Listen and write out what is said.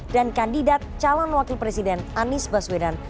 dan kandidat calon wakil presiden anies baswedan